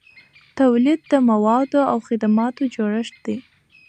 تولید د موادو او خدماتو جوړښت دی.